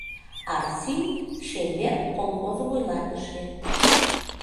Арси, «Шемер» колхоз вуйлатыше.